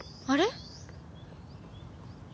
あれ？